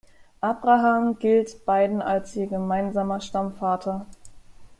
Abraham gilt beiden als ihr gemeinsamer Stammvater.